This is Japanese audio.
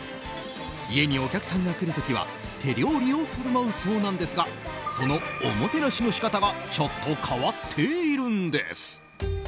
家にお客さんが来るときは手料理を振る舞うそうなんですがそのおもてなしの仕方がちょっと変わっているんです。